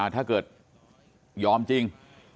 ถ้าเคยยอมจริง